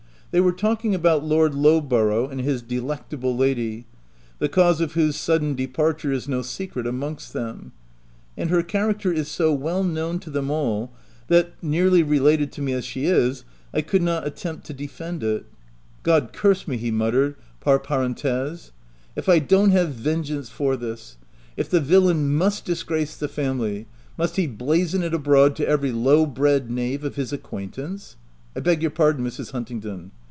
" They were talking about Lord Lowborough and his delectable lady, the cause of whose sudden de parture is no secret amongst them ; and her character is so well known to them all, that, nearly related to me as she is, I could not attempt to defend it. — God curse me," he mut OP WILDFELL HALL. 37 tered, par parent hese, "if I don't have venge ance for this ! If the villain must disgrace the family, must he blazon it abroad to every low bred knave of his acquaintance ?— I beg your pardon, Mrs. Huntingdon.